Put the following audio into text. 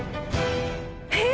えっ！